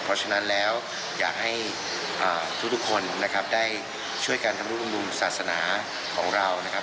เพราะฉะนั้นแล้วอยากให้ทุกคนได้ช่วยกันทำรุ่นศาสนาของเรานะครับ